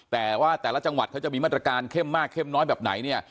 แต่ว่าแต่ละจังหวัดเขาจะมีมาตรการเข้มมากเข้มน้อยแบบไหนเนี่ย